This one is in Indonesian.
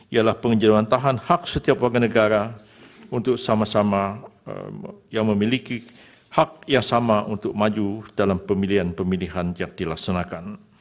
ialah pengenjarawan tahan hak setiap warga negara untuk sama sama yang memiliki hak yang sama untuk maju dalam pemilihan pemilihan yang dilaksanakan